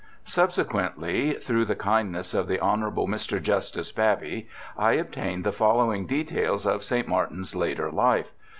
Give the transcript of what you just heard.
Subsequently, through the kindness of the Hon. Mr. Justice Baby, I obtained the following details of St. Martin's later life.